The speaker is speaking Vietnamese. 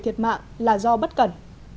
thiệt mạng là do bất cần